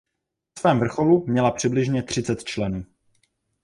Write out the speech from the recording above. Na svém vrcholu měla přibližně třicet členů.